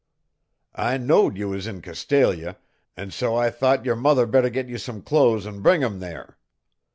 "I knowed you was in Castalia, an' so I thought your mother better get you some clothes an' bring 'em there.